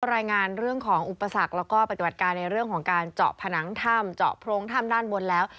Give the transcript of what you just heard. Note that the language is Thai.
รายงานเรื่องของอุปสรรคแล้วก็ปฏิบัติการในเรื่องของการเจาะผนังถ้ำเจาะโพรงถ้ำด้านบนแล้ว